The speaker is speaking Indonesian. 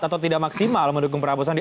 atau tidak maksimal mendukung prabowo sandi